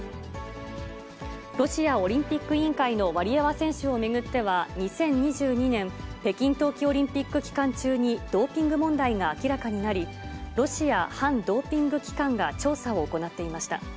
ロシアオリンピック委員会のワリエワ選手を巡っては、２０２２年、北京冬季オリンピック期間中にドーピング問題が明らかになり、ロシア反ドーピング機関が調査を行っていました。